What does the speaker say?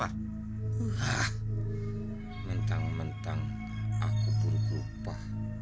wah mentang mentang aku buruk lupa